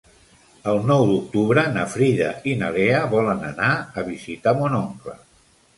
El nou d'octubre na Frida i na Lea volen anar a visitar mon oncle.